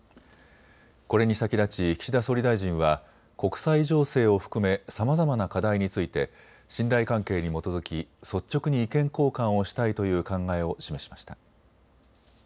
これに先立ち、岸田総理大臣は国際情勢を含めさまざまな課題について信頼関係に基づき率直に意見交換をしたいという考えを示しました。